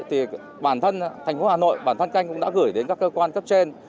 thì bản thân thành phố hà nội bản thân canh cũng đã gửi đến các cơ quan cấp trên